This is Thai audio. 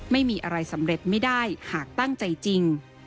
ไม่มีอะไรสำเร็จไม่ได้หากตั้งใจจริง